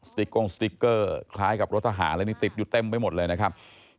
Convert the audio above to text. ติ๊กก้งสติ๊กเกอร์คล้ายกับรถทหารอะไรนี่ติดอยู่เต็มไปหมดเลยนะครับ